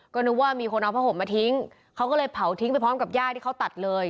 ก็นึกว่ามีคนเอาผ้าห่มมาทิ้งเขาก็เลยเผาทิ้งไปพร้อมกับย่าที่เขาตัดเลย